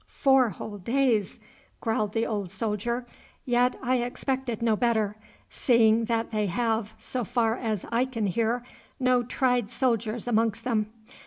'Four whole days!' growled the old soldier. 'Yet I expected no better, seeing that they have, so far as I can hear, no tried soldiers amongst them.